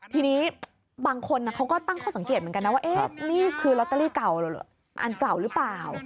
ทีนี้บางคนเขาก็ตั้งข้อสังเกตเหมือนกันนะว่านี่คือลอตเตอรี่เก่าอันเก่าหรือเปล่า